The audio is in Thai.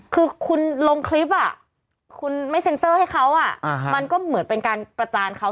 คือคุณลงคลิปคุณไม่เซ็นเซอร์ให้เขามันก็เหมือนเป็นการประจานเขา